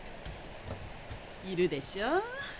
いるでしょう？